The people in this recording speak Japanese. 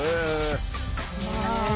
うわ。